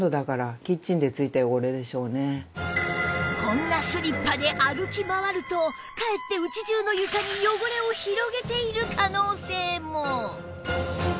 こんなスリッパで歩き回るとかえって家中の床に汚れを広げている可能性も